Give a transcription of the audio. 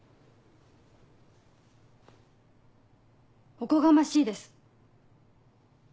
おこがましいです。